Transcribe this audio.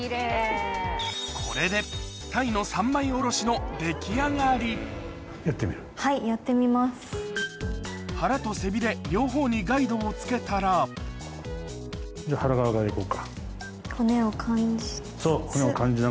これでタイの３枚おろしの出来上がり腹と背びれ両方にガイドをつけたら骨を感じつつ。